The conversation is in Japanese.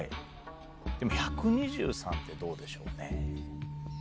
でも１２３ってどうでしょうね？